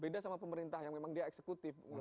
beda sama pemerintah yang memang dia eksekutif